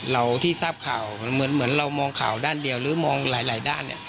เราที่ทราบข่าวเหมือนเรามองข่าวด้านเดียวหรือมองหลายด้านเนี่ย